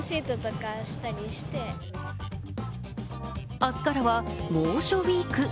明日からは猛暑ウイーク。